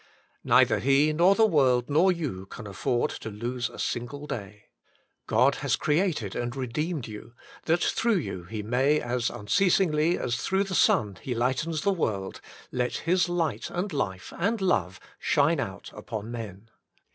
Neither he, nor the world, nor you, can afford to lose a single day. God has created and redeemed you, that through you He may, as unceasingly as through the sun He lightens the world, let His light and life and love shine out upon men.